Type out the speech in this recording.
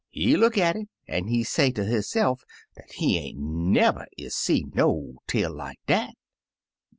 He look at it, an* he say ter hisse*f dat he ain*t never is see no tail like dat.